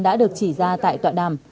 đã được chỉ ra tại tọa đàm